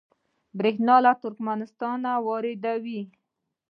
بریښنا له ترکمنستان واردوي